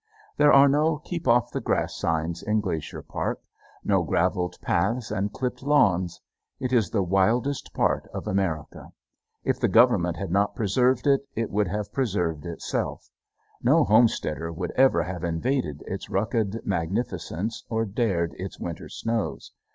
There are no "Keep Off the Grass" signs in Glacier Park, no graveled paths and clipped lawns. It is the wildest part of America. If the Government had not preserved it, it would have preserved itself. No homesteader would ever have invaded its rugged magnificence or dared its winter snows.